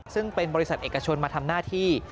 ซึ่งเป็นบริษัทเอกชนมาทำหน้าที่